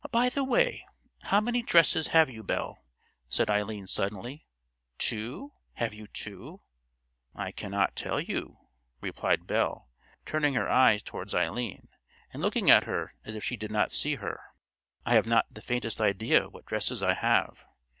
"By the way, how many dresses have you, Belle?" said Eileen suddenly. "Two—have you two?" "I cannot tell you," replied Belle, turning her eyes towards Eileen, and looking at her as if she did not see her. "I have not the faintest idea what dresses I have.